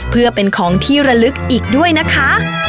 เพื่อเป็นของที่ระลึกอีกด้วยนะคะ